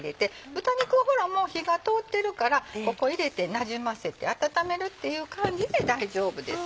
豚肉はほらもう火が通ってるからここ入れてなじませて温めるっていう感じで大丈夫ですよ。